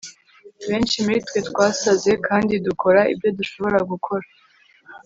benshi muri twe twasaze kandi dukora ibyo dushobora gukora